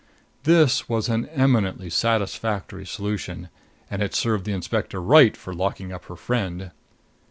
This was an eminently satisfactory solution, and it served the inspector right for locking up her friend.